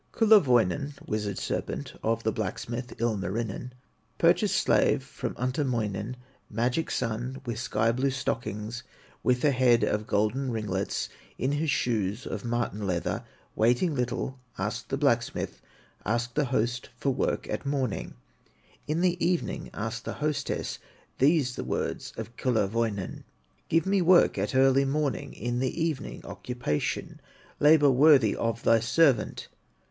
Kullerwoinen, wizard servant Of the blacksmith, Ilmarinen, Purchased slave from Untamoinen, Magic son with sky blue stockings, With a head of golden ringlets, In his shoes of marten leather, Waiting little, asked the blacksmith, Asked the host for work at morning, In the evening asked the hostess, These the words of Kullerwoinen: "Give me work at early morning, In the evening, occupation, Labor worthy of thy servant."